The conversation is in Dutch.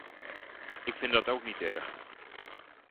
Ik vind dat ook niet erg.